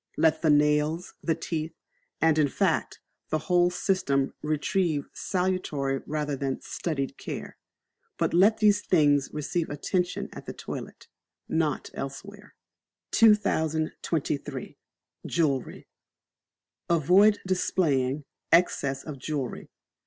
Let the nails, the teeth, and, in fact, the whole system receive salutary rather than studied care. But let these things receive attention at the toilet not elsewhere. 2023. Jewellery. Avoid displaying Excess of Jewellery.